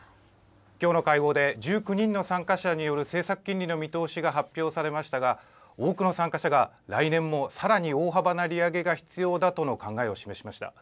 きょうの会合で１９人の参加者による政策金利の見通しが発表されましたが、多くの参加者が来年もさらに大幅な利上げが必要だとの考えを示しました。